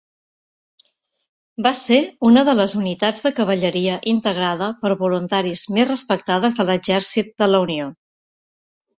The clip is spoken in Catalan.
Va ser una de les unitats de cavalleria integrada per voluntaris més respectades de l'Exèrcit de la Unió.